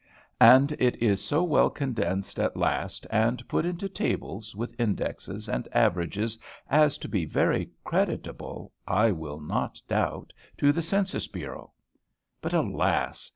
And it is so well condensed at last and put into tables with indexes and averages as to be very creditable, I will not doubt, to the census bureau. But alas!